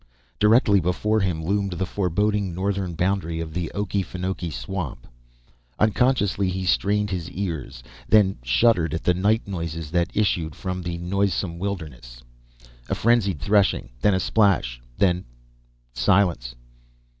_ _Directly before him loomed the forbidding northern boundary of the Okefenokee Swamp. Unconsciously he strained his ears, then shuddered at the night noises that issued from the noisome wilderness. A frenzied threshing, then a splash, then ... silence.